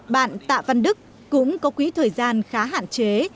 bạn tạ văn đức cũng có quý thời gian khá hạn chế